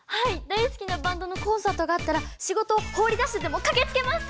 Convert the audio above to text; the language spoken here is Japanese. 大好きなバンドのコンサートがあったら仕事を放り出してでも駆けつけます！